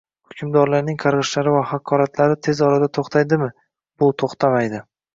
hukmdorlarning qarg'ishlari va haqoratlari tez orada to'xtaydimi? Bu to'xtamaydi